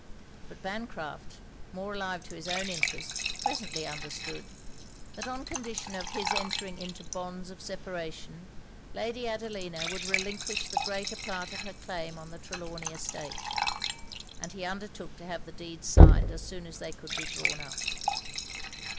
But Bancraft, more alive to his own interest, presently understood, that on condition of his entering into bonds of separation, Lady Adelina would relinquish the greater part of her claim on the Trelawny estate; and he undertook to have the deeds signed as soon as they could be drawn up.